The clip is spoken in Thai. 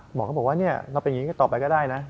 หมอก็บอกว่าเราเป็นอย่างนี้ก็ต่อไปก็ได้นะ